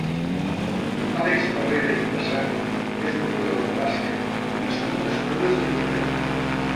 Alex Barrera i Pasan és un jugador de bàsquet nascut a Esplugues de Llobregat.